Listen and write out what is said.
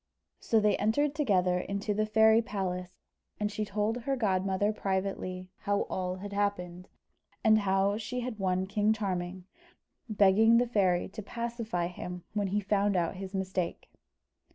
So they entered together into the fairy palace, and she told her godmother privately how all had happened, and how she had won King Charming, begging the fairy to pacify him when he found out his mistake.